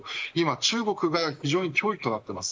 中国が非常に脅威となっています。